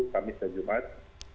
kamis dan jumat